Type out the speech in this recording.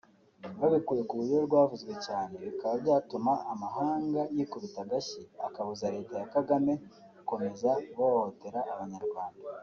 babikuye ku buryo rwavuzwe cyane bikaba byatuma amahanga yikubita agashyi akabuza Leta ya Kagame gukomeza guhohotera abanyarwanda